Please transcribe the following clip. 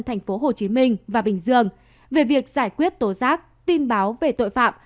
tp hcm và bình dương về việc giải quyết tố giác tin báo về tội phạm